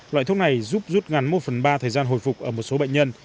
loại thuốc này giúp rút ngắn một phần ba thời gian hồi phục ở một số bệnh nhân